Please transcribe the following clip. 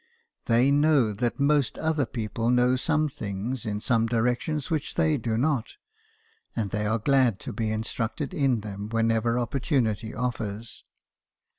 They know that most other people know some things in some directions which they do not, and they are glad to be instructed in them whenever opportunity offers.